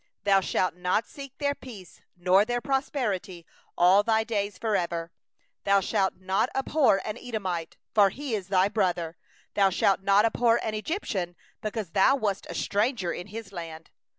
7Thou shalt not seek their peace nor their prosperity all thy days for ever. 8Thou shalt not abhor an Edomite, for he is thy brother; thou shalt not abhor an Egyptian, because thou wast a stranger in his land.